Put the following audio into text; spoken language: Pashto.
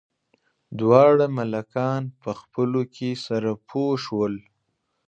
دواړه ملکان په خپلو کې سره پوه شول.